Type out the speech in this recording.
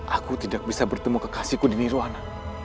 aku tidak bisa bertemu kekasihku di nirwana